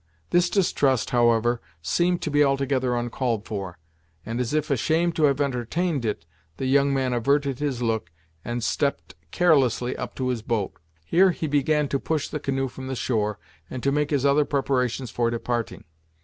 This distrust, however, seemed to be altogether uncalled for, and as if ashamed to have entertained it, the young man averted his look, and stepped carelessly up to his boat. Here he began to push the canoe from the shore, and to make his other preparations for departing.